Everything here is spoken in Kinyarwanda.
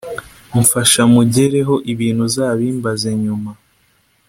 Mfasha mugereho ibintu uzabimbaze nyuma